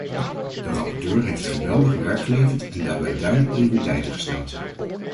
De rapporteur heeft geweldig werk geleverd en daarbij duidelijke prioriteiten gesteld.